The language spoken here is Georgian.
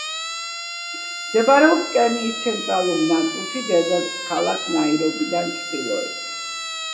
მდებარეობს კენიის ცენტრალურ ნაწილში, დედაქალაქ ნაირობიდან ჩრდილოეთით.